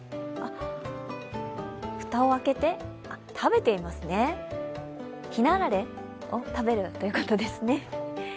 ふたを開けてあっ、食べていますね、ひなあられを食べるということですね。